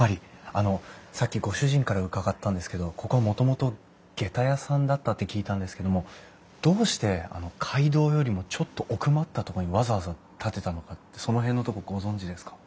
あのさっきご主人から伺ったんですけどここはもともとげた屋さんだったって聞いたんですけどもどうして街道よりもちょっと奥まったとこにわざわざ建てたのかってその辺のとこご存じですか？